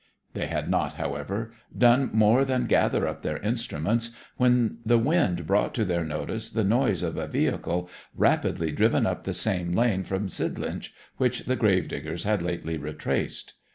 They had not, however, done more than gather up their instruments when the wind brought to their notice the noise of a vehicle rapidly driven up the same lane from Sidlinch which the gravediggers had lately retraced.